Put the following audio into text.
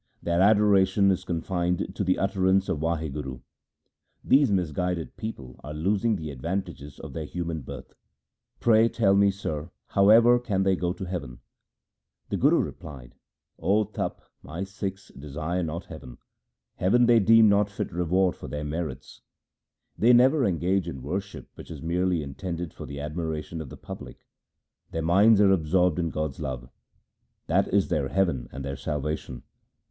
Their adoration is confined to the utterance of Wahguru. These misguided people are losing the advantages of their human birth. Pray tell me, sir, however can they go to heaven ?' The Guru replied : 1 O Tapa, my Sikhs desire not heaven. Heaven they deem not fit reward for their merits. They never engage in worship which is merely intended for the admiration of the public. Their minds are absorbed in God's love. That is their heaven and their salvation.